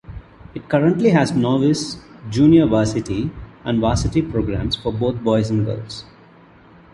It currently has Novice, Junior Varsity, and Varsity programs for both boys and girls.